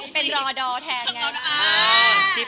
เป็นรอดอแทนยังไง